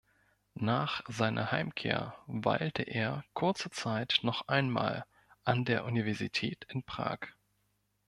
Nach seiner Heimkehr weilte er kurze Zeit noch einmal an der Universität in Prag.